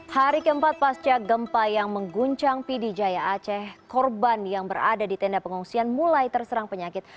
hari keempat pasca gempa yang mengguncang pidijaya aceh korban yang berada di tenda pengungsian mulai terserang penyakit